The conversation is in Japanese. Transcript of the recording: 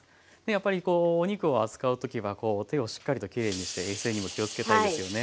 やっぱりこうお肉を扱う時は手をしっかりときれいにして衛生にも気を付けたいですよね。